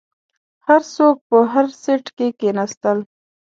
هر څوک په هر سیټ کې کیناستل.